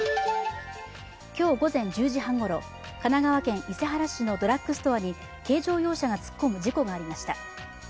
今日午前１０時半ごろ、神奈川県伊勢原市のドラッグストアに軽乗用車が突っ込む事故がありました。